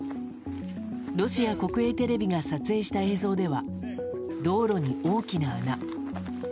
ロシア国営テレビが撮影した映像では道路に大きな穴。